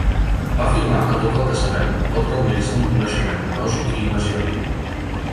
Va afirmar que tot el que sabem pot reduir-se a un coneixement lògic i imaginatiu.